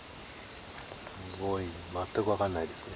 すごい全く分かんないですね。